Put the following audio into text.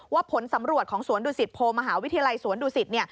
ผลสำรวจของสวนดุสิตโพมหาวิทยาลัยสวนดุสิต